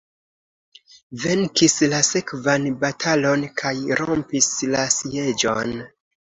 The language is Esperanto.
Venkis la sekvan batalon kaj rompis la sieĝon.